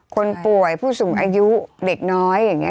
คนป่วยผู้สูงอายุเด็กน้อยอย่างนี้